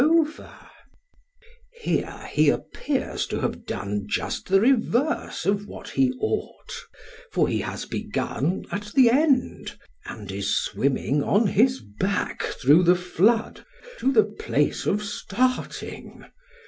SOCRATES: Here he appears to have done just the reverse of what he ought; for he has begun at the end, and is swimming on his back through the flood to the place of starting.